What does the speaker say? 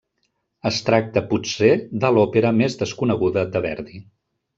Es tracta potser de l'òpera més desconeguda de Verdi.